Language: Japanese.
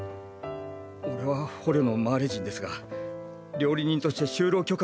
俺は捕虜のマーレ人ですが料理人として就労許可を持っています。